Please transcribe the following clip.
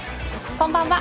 こんばんは。